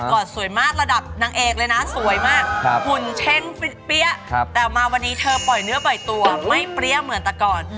อดสวยมากระดับนางเอกเลยนะสวยมากหุ่นเช้งแต่มาวันนี้เธอปล่อยเนื้อปล่อยตัวไม่เปรี้ยเหมือนแต่ก่อน